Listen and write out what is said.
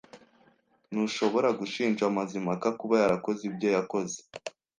Ntushobora gushinja Mazimpaka kuba yarakoze ibyo yakoze.